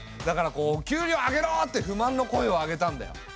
だから「給料を上げろ！」って不満の声を上げたんだよ。